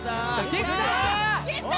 菊田！